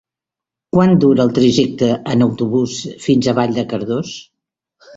Quant dura el trajecte en autobús fins a Vall de Cardós?